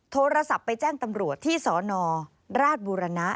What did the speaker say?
โทรศัพท์ไปแจ้งตำรวจที่สนราชบุรณะ